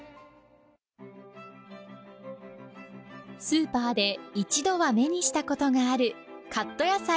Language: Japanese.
スーパーで一度は目にしたことがあるカット野菜。